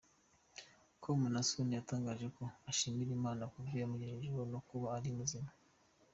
com Naason yatangaje ko ashimira Imana kubyo yamugejejeho no kuba ari muzima.